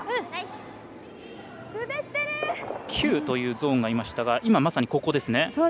９というゾーンがありましたが今、まさにここですね。